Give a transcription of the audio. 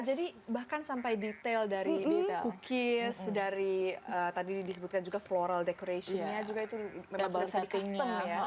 jadi bahkan sampai detail dari cookies dari tadi disebutkan juga floral decoration nya juga itu memang bisa di custom ya